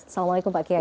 assalamualaikum pak kiai